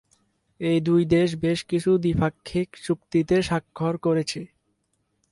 এই দুই দেশ বেশ কিছু দ্বিপাক্ষিক চুক্তিতে সাক্ষর করেছে।